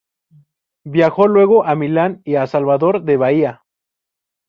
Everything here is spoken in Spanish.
Viajó Luego a Milán y a Salvador de Bahía.